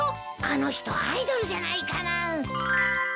あの人アイドルじゃないかな？